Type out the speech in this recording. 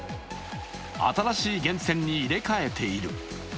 新しい源泉に入れ替えている。